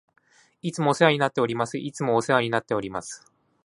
いつもお世話になっております。いつもお世話になっております。